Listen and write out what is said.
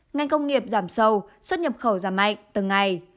ngành công nghiệp giảm sâu xuất nhập khẩu giảm mạnh từng ngày